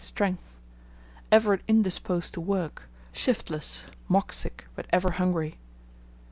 "strength," ever indisposed to work, shiftless, mock sick, but ever hungry.